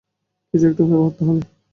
কিছু একটা উপায় ভাবতে হবে।